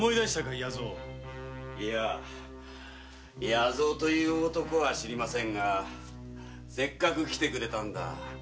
弥蔵という男は知りませんがせっかく来てくれたんだ。